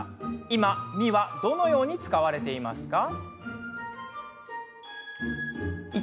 今、「み」はどのように使われていますか？